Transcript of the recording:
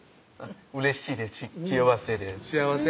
うれしいです幸せです幸せ？